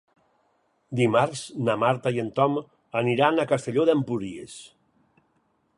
Dimarts na Marta i en Tom aniran a Castelló d'Empúries.